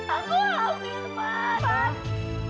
aku hamil pak